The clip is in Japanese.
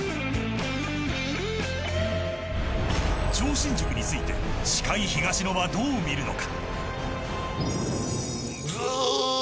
超新塾について司会、東野はどう見るのか。